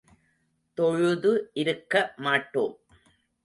தொழுது இருக்க மாட்டோம்.